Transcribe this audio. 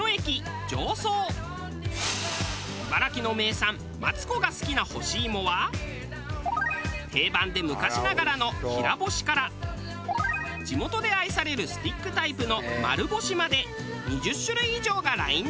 茨城の名産マツコが好きな干し芋は定番で昔ながらの平干しから地元で愛されるスティックタイプの丸干しまで。